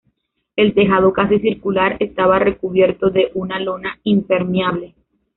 El tejado casi circular estaba recubierto de una lona impermeable.